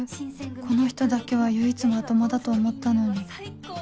この人だけは唯一まともだと思ったのに